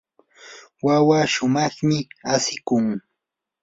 wawaa shumaqmi asikun.